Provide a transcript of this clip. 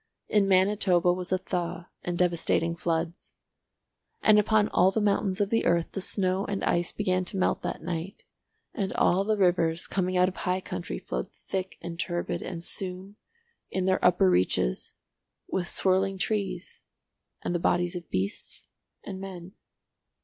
In Manitoba was a thaw and devastating floods. And upon all the mountains of the earth the snow and ice began to melt that night, and all the rivers coming out of high country flowed thick and turbid, and soon—in their upper reaches—with swirling trees and the bodies of beasts and men.